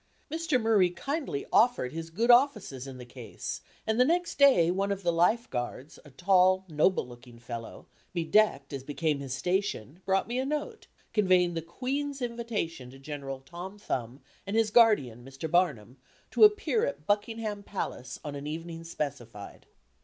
Mr. Murray kindly offered his good offices in the case, and the next day one of the Life Guards, a tall, noble looking fellow, bedecked as became his station, brought me a note, conveying the Queen's invitation to General Tom Thumb and his guardian, Mr. Barnum, to appear at Buckingham Palace on an evening specified.